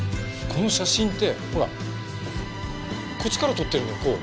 この写真ってほらこっちから撮ってるんだよ